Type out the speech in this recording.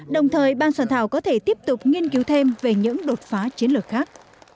đồng thời bang sản thảo có thể tiếp tục nghiên cứu thêm về những đột phá chiến lược khác